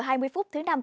xin kính chào tạm biệt